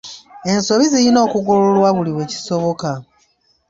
Ensobi zirina okugololwa buli we kisoboka.